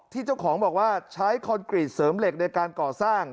เจ้าของบอกว่าใช้คอนกรีตเสริมเหล็กในการก่อสร้าง